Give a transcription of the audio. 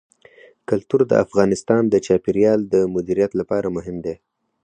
کلتور د افغانستان د چاپیریال د مدیریت لپاره مهم دي.